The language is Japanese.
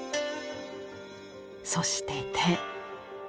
そして手。